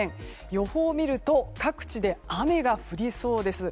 予報を見ると各地で雨が降りそうです。